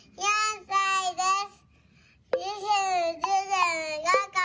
４さいです。